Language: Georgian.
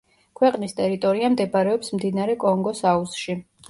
ქვეყნის ტერიტორია მდებარეობს მდინარე კონგოს აუზში.